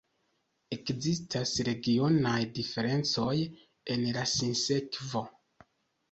Ekzistas regionaj diferencoj en la sinsekvo.